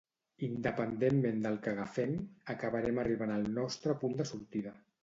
Independentment del que agafem, acabarem arribant al nostre punt de sortida